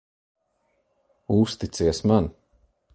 Uzticies man.